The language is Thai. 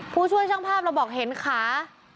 ผู้ช่วยช่างภาพเราบอกเห็นขา